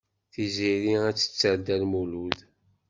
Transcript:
Tiziri ad tetter Dda Lmulud.